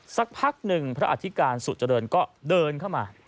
สักพักหนึ่งพระอธิการสุเจริญก็เดินเข้ามา